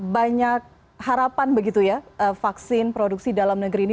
banyak harapan begitu ya vaksin produksi dalam negeri ini